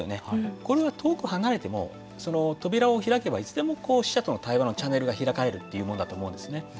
これは遠く離れても扉を開けばいつでも死者との対話のチャネルが開かれるというものだと思うんですね。